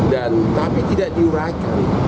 dan tapi tidak diuraikan